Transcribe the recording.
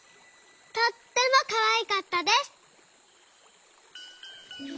とってもかわいかったです」。